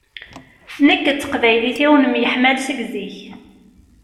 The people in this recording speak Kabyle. Nekk d teqbaylit-iw nemyeḥmmal seg zik.